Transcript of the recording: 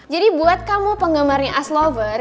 jadi buat kamu penggambarnya axelover